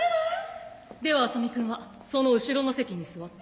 では麻実君はその後ろの席に座って。